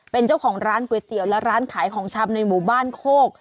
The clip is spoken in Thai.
เป็นเจ้าของร้านก๋วยเตี๋ยวและร้านขายของชำในหมู่บ้านโคก